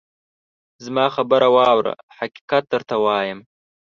زما خبره واوره ! حقیقت درته وایم.